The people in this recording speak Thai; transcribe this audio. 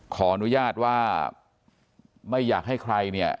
ขออนุญาตว่าไม่อยากให้ใครเนี่ย